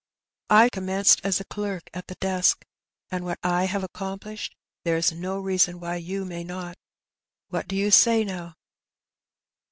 I commenced as a clerk at the desk, and what I have accomplished there is no reason why you may not. What do you say, now?